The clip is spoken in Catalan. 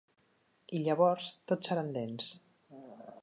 I llavors tot seran dents.